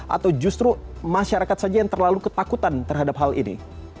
atau justru masyarakat saja yang terlalu ketakutan terhadap hal ini